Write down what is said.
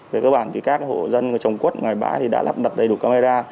về cơ bản thì các hộ dân trồng quất ngoài bãi thì đã lắp đặt đầy đủ camera